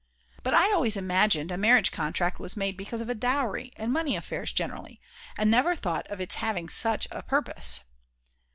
But I always imagined a marriage contract was made because of a dowry and money affairs generally; and never thought of its having such a purpose.